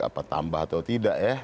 apa tambah atau tidak ya